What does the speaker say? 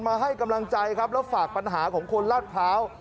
ให้กำลังใจครับแล้วฝากปัญหาของคนลาดพร้าว